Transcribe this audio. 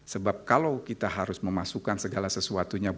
sebab kalau kita harus memasukkan segala sesuatunya